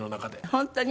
本当に？